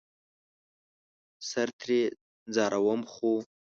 سر ترې ځاروم ،خو